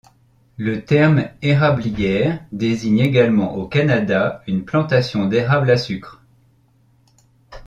Le terme érablière désigne également au Canada une plantation d'érables à sucre.